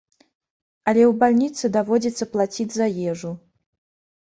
Але ў бальніцы даводзіцца плаціць за ежу.